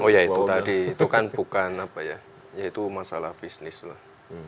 oh ya itu tadi itu kan bukan apa ya itu masalah bisnis lah